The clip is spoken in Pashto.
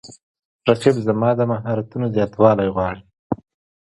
رقیب زما د مهارتونو زیاتوالی غواړي